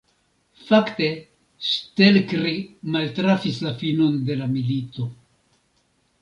Fakte, Stelkri maltrafis la finon de la milito.